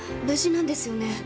無事なんですよね？